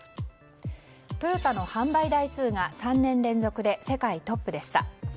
トヨタの販売台数が３年連続で世界トップでした。